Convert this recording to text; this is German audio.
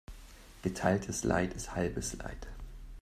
Geteiltes Leid ist halbes Leid.